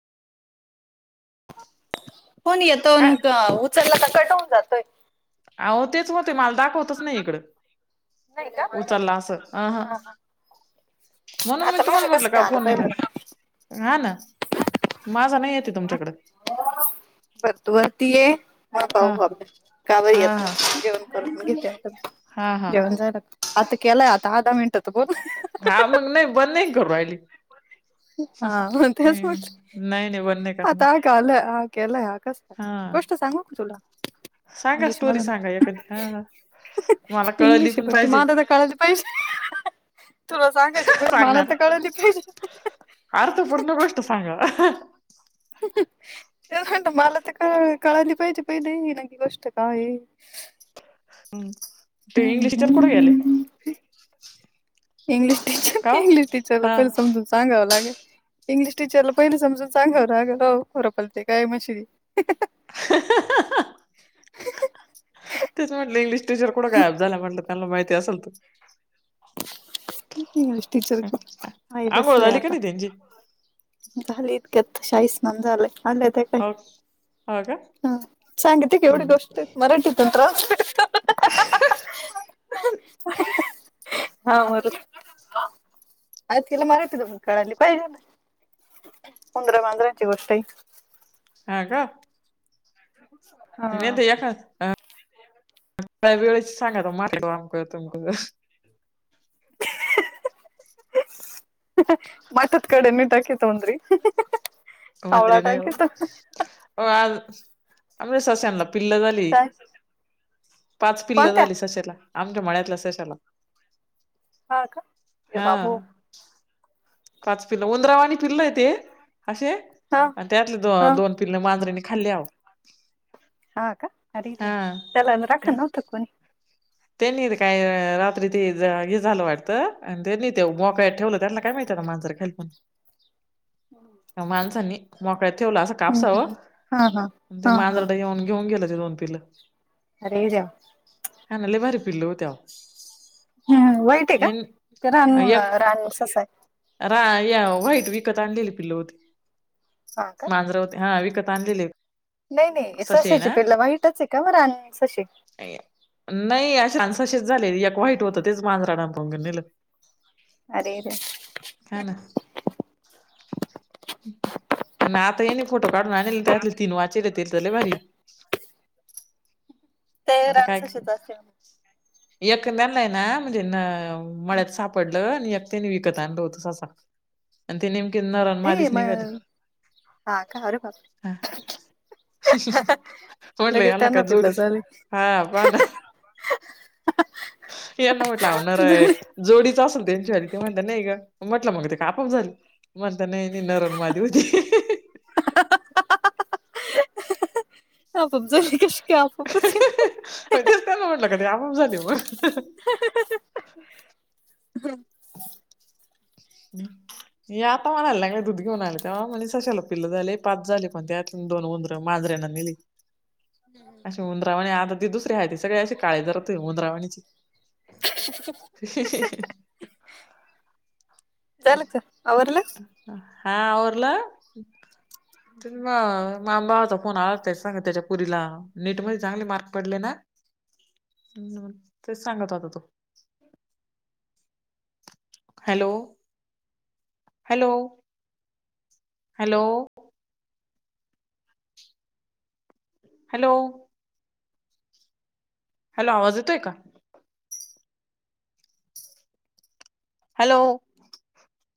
Phone येतो अन् काय उचलला तर कट होऊन जातोय अ- हो तेचं होते मला दाखवतचं नाही इकडं उचलला असं अ - ह. म्हणून मी आता माझं तुम्हाला कसं म्हंटलं का काय आलं फोनला पाय नाही बरं. लागत हाणा. माझा नाही येते तुमच्याकडे. बर तू वरती ये मग पाहू हा आपण का बरं हा येत हा नाही [inaudible] जेवण करून घेते, आता हा हा जेवण जायला आता केलंय आता दहा मिनटं तर, बोल. हा नाही बंद नाही करू राहिली. हा म - तेचं म्हटलं नाही नाही बंद नाही आता करणार का आल हा केला याकास. हा गोष्ट सांगू का तुला? सांगा इंग्लश स्टोरी मधून सांगा एखादी हा हा मला कळली इंग्लिशे पण मध्ये पाहिजे माझं तर काळलं पैसे तुला सांग [inaudible] सांगणार अर्थ पूर्ण गोष्ट सांगा. ह. ते म्हणत मला तर कळ कळाली पाहिजे पहिले नकी गोष्ट काय. हम् ते इंग्लिश टीचर कुठे गेले? इंग्लिश टीचर, का ओ इंग्लिश टीचरला हा पहिले समजून सांगावं लागेल. इंग्लिश टीचरला, पहिले समजून सांगाव लागेल हो खरं बोलते काय मशीलं. ह. ह. तेचं म्हटलं इंग्लिश टीचर कुठं गायब झालं म्हटलं त्यांना माहिती असेल तर इंग्लिश टीचर आई आंघोळ झाली का नाही त्यांची? झालली इतक्यात शाई स्नान झाले आले ते. ह हो का. सांगिती येवडी हम्म गोष्ट मराठीतून ट्रान्सलेशन. हा मर [inaudible] आ- तिला मराठीतून तर काळाली पाहिजे ना. उदंरा, मांजरांची गोष्ट आहे. हा का. नाही हा तर एखा काय वेळेस सांगाय मार्केट वाम करतम [inaudible] माठात खडे नाही टाकीत उंदरी. कावळा उंदरी नाही टाकीत वो आज आमच्या साश्यांना पिल्लं झाली. काय ती पाच पिल्लं कोणत्या झाली सशाला आमच्या मळ्यातल्या सशाला. हा का ये हा बाबू. पाच पिल्लं उंदरावानी पिल्लं आहे ते असे हा त्यातले द हा -दोन. पिल्लं मांजरीनी खाल्ली आवं. हा का अरे देेवा, त्यालाना राखण नव्हंत का कोणी. त्यांनी ते काय रात्री ते हे झालं वाटतं आणि त्यांनी ते मोकळ्यात ठेवलं त्याना काय माहिती ना माजंर. हेल्प [inaudible] [unintelligible] माणसांनी मोकळ्यात ठेवलं असं हम्म कापसावर हम्म हा हा. ते हा हा मांजरडं येऊन घेऊन गेलं ते दोन पिलं. अरे देवा, हे ना लईभारी पिल्लं होती अवं. हूं व्हाईट आहे का ते रानु एक - रानु ससा रा - या व्हाईट विकत आणलेले पिल्लं होते हा का? मांजरं होते. हा, विकत आणलेले. नाही, नाही, ससे आहे सशाची ना. पिल्लं व्हाईटच आहे का? मग रान सशे नाही, अशान सशेच झाले. एक व्हाईट होतं. तेच मांजरानं पांगन नेलं. अरे... देवा! हे ना... [inaudible] नात ह्यांनी फोटो काढून आणले. त्यातले तीन वाचेले ते तर लई भारी आहे. ते रान सश्याचं. [unintelligible] एकंद त्यांनलाय ना, म्हणजे? न मळ्यात सापडलं, आणि एक त्याने विकत आणल होत. ससा आणि ते नेमकी, नर अन् नाही माधीच निघाली. मग हा का, अरे.. बापरे! म्हटलं लगेच, याला त्यांना काय पिल्लं जोडीच झाली. हा पहा ना. [inaudible] यांना म्हटलं, अवं नर हाय जोडीच असेल. त्यांच्या वली ते म्हणता. नाही ग म्हटलं. मग ते का आपआप झाली. म्हणता नाही, नाही, नर अन् मादी होती. आपोआप झाली, कशी काय आपोआप होते. [inaudible] हो, तेच त्यांला म्हटलं, काय ते आपाप झाली मग. [inaudible] हे, आता म्हणा आलं ना, दुध घेऊन आलं, तेव्हा म्हणे सशाला पिल्लं झाले, पाच झाले, पण त्यात दोन उंदरं, मांजरेनं नेली. [unintelligible] अशी उंद्रावणी, आता ती दुसरी आहे. ती सगळी अशी काळी जरद आहे उंद्रावणीच. [unintelligible] झालं का? आवरलं. हा... आवरलं. मग? म्हाया, भावाचा फोन आला होता. ते सांगत होता. त्याच्या पोरीला नीट मध्ये चांगले मार्क पडले ना. ह.. तेच सांगत होता. तो hello... hello... hello.... hello.... hello.... आवाज येतोय का? हॅलो....